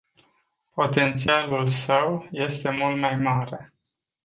Potențialul său este mult mai mare.